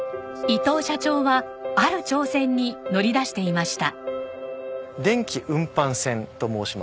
伊藤社長はある挑戦に乗り出していました。